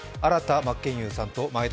真剣佑さんと眞栄田